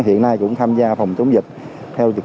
hiện nay cũng tham gia phòng chống dịch